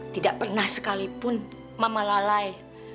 tidak pernah sekalipun mama lalai